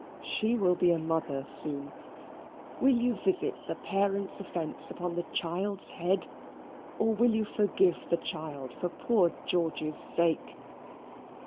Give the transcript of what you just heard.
She will be a mother soon. Will you visit the parent's offence upon the child's head? or will you forgive the child for poor George's sake?"